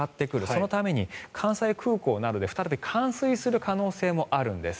そのために関西空港などで再び冠水する可能性もあるんです。